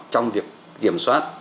trong việc kiểm soát